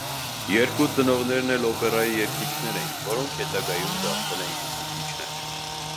Երկու ծնողներն էլ օպերայի երգիչներ էին, որոնք հետագայում դարձել էին ուսուցիչներ։